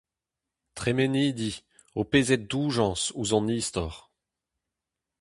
Tremenidi, ho pezet doujañs ouzh hon istor…